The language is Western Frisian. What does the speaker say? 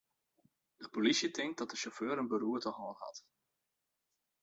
De polysje tinkt dat de sjauffeur in beroerte hân hat.